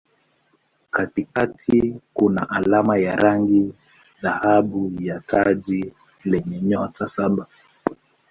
Katikati kuna alama ya rangi dhahabu ya taji lenye nyota saba.